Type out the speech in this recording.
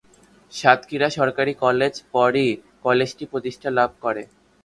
সাতক্ষীরা সরকারি কলেজ পরই কলেজটি প্রতিষ্ঠা লাভ করে।